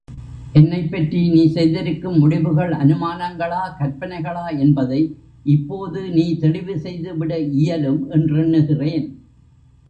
என்னைப் பற்றி நீ செய்திருக்கும் முடிவுகள் அநுமானங்களா கற்பனைகளா என்பதை இப்போது நீ தெளிவு செய்துவிட இயலும் என்றெண்ணுகிறேன்.